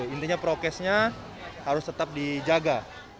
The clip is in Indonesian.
intinya prokesnya harus tetap dijaga